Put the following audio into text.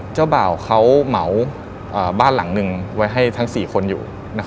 เจ้าบ่าวเขาเหมาบ้านหลังหนึ่งไว้ให้ทั้ง๔คนอยู่